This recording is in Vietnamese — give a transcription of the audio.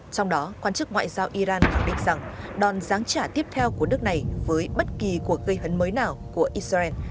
trong đó quan chức ngoại giao iran khẳng định rằng đòn giáng trả tiếp theo của nước này với bất kỳ cuộc gây hấn mới nào của israel